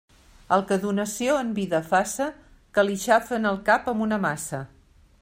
El que donació en vida faça, que li xafen el cap amb una maça.